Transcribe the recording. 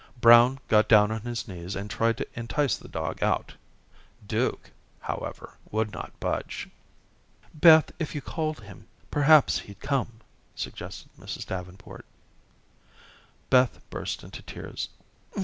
Brown got down upon his knees and tried to entice the dog out. Duke, however, would not budge. "Beth, if you called him perhaps he'd come," suggested Mrs. Davenport. Beth burst into tears.